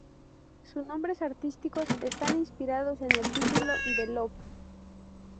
Sus nombres artísticos están inspirados en el título de "Love.